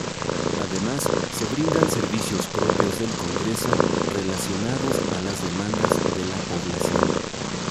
Además se brindan servicios propios del congreso relacionados a las demandas de la población.